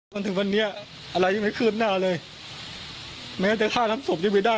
วันถึงวันเนี่ยอะไรยังไม่คืบหน้าเลยแม้เป็นมีฆ่าทำศพอยู่นะคะ